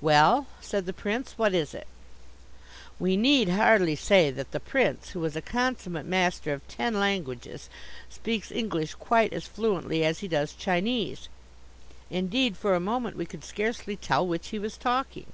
"Well," said the Prince, "what is it?" We need hardly say that the Prince, who is a consummate master of ten languages, speaks English quite as fluently as he does Chinese. Indeed, for a moment, we could scarcely tell which he was talking.